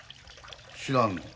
知らんの？